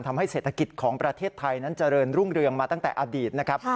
ทำให้เศรษฐกิจของประเทศไทยนั้นเจริญรุ่งเรืองมาตั้งแต่อดีตนะครับ